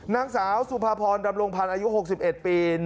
นางสาวสุภาพรดำรงพันธ์อายุ๖๑ปี